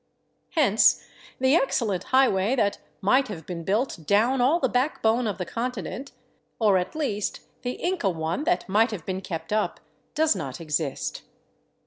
Hence the excellent highway that might have been built down all the backbone of the continent, or at least the Inca one that might have been kept up, does not exist.